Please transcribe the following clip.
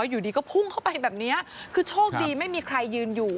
อยู่ดีก็พุ่งเข้าไปแบบนี้คือโชคดีไม่มีใครยืนอยู่